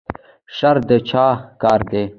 شر د چا کار دی؟